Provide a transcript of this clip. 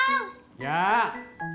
oh juga neng